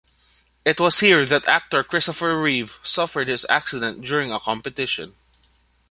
It was here that actor Christopher Reeve suffered his accident during a competition.